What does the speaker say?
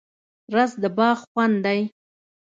رس د باغ خوند دی